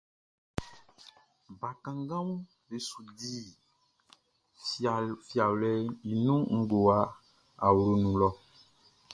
Bakannganʼm be su di fiawlɛʼn i ngowa awloʼn nun lɔ.